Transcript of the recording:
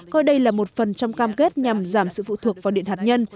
coi đây là một phần trong cam kết nhằm giảm sự phụ thuộc vào điện hạt nhân